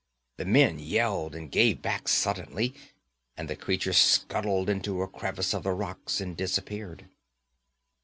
The men yelled and gave back suddenly, and the creature scuttled into a crevice of the rocks and disappeared.